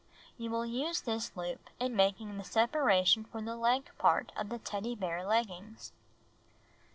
You will use this loop in making the separation for the leg part of the Teddy Bear Leggings.